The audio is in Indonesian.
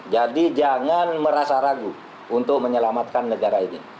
jadi jangan merasa ragu untuk menyelamatkan negara ini